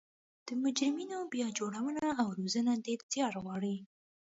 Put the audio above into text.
د مجرمینو بیا جوړونه او روزنه ډیر ځیار غواړي